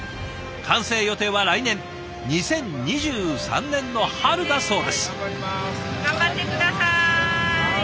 完成予定は来年２０２３年の春だそうです。